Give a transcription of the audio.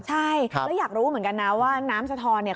ใช่แล้วอยากรู้เหมือนกันนะว่าน้ำสะทอนเนี่ย